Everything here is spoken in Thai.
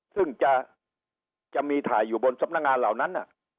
ซึ่งจะมีถ่ายอยู่บนสำนักงานเหล่านั้น